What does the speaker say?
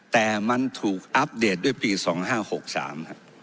แต่มันถูกอัปเดตด้วยปี๒๕๖๓ครับ